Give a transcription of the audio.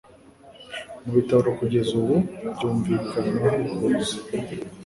Mubitabo kugeza ubu byunvikana kuza.